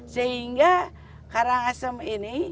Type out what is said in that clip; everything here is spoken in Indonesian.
sehingga karangasem ini